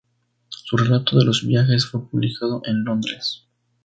Su relato de los viajes fue publicado en Londres.